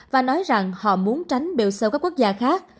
và nói rằng họ muốn tránh bèo sâu các quốc gia khác